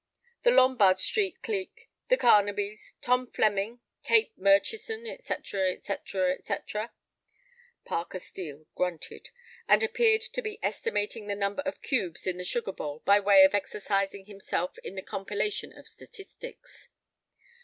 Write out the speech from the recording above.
"The Lombard Street clique, the Carnabys, Tom Flemming, Kate Murchison, etc., etc., etc." Parker Steel grunted, and appeared to be estimating the number of cubes in the sugar bowl by way of exercising himself in the compilation of statistics.